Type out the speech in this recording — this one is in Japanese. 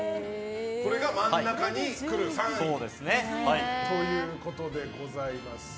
これが真ん中の３位ということでございます。